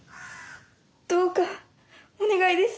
どうかお願いです。